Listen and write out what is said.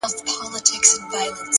وخت د بېتوجهۍ تاوان نه بښي